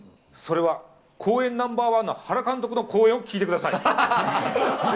それは、講演ナンバーワンの原監督の講演を聞いてください。